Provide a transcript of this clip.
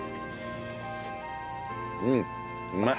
うんうまい！